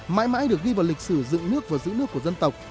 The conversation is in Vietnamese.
mãi mãi được ghi vào lịch sử dựng nước và giữ nước của dân tộc